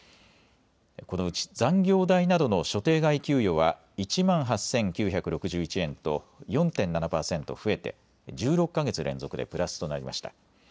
このうち、残業代などの所定外給与は１万８９６１円と４．７％増えて１６か月連続でプラスとなりました。